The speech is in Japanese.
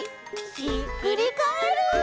ひっくりカエル！